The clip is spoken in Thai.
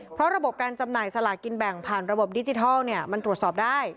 เพราะระบบการจำหน่ายสลากินแบ่งผ่านระบบดิจิทัลมันตรวจสอบได้